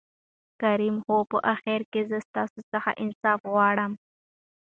کريم : هو په آخر کې زه ستاسو څخه انصاف غواړم.